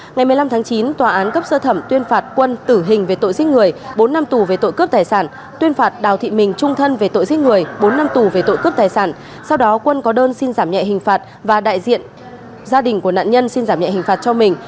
ngày một mươi năm tháng chín tòa án cấp sơ thẩm tuyên phạt quân tử hình về tội giết người bốn năm tù về tội cướp tài sản tuyên phạt đào thị mình trung thân về tội giết người bốn năm tù về tội cướp tài sản sau đó quân có đơn xin giảm nhẹ hình phạt và đại diện gia đình của nạn nhân xin giảm nhẹ hình phạt cho mình